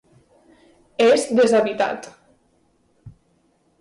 És deshabitat.